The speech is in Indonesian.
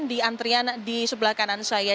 di antrian di sebelah kanan saya